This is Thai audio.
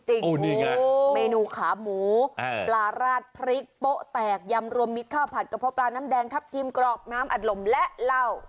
นี่ไงเมนูขาหมูปลาราดพริกโป๊ะแตกยำรวมมิตรข้าวผัดกระเพาะปลาน้ำแดงทับทิมกรอบน้ำอัดลมและเหล้า